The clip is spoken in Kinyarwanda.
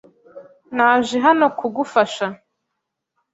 Naje hano kugufasha.